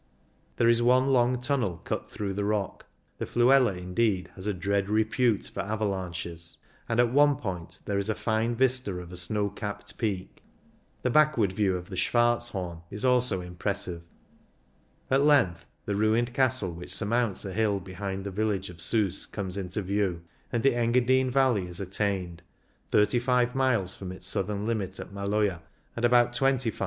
There is one long tunnel cut through the rock — the Fluela, indeed, has a dread repute for avalanches — and at one point there is a fine vista of a snow capped peak. The backward view of the Schwarzhorn is also impressive. At length the ruined castle which surmounts a hill behind the village of Slis comes into view, and the Engadine valley is attained, 35 miles from its southern limit at Maloja, and about 25 from the Austrian frontier at Martinsbruck.